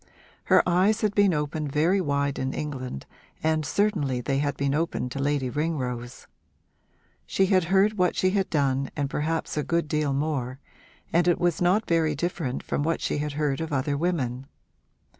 Her eyes had been opened very wide in England and certainly they had been opened to Lady Ringrose. She had heard what she had done and perhaps a good deal more, and it was not very different from what she had heard of other women.